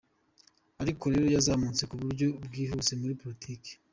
Ariko rero yazamutse ku buryo bwihuse muri politiki.